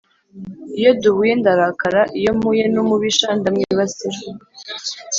iyo duhuye ndarakara: iyo mpuye n’umubisha ndamwibasira,